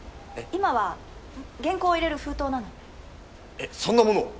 今は原稿を入れる封筒なのえっそんなものを？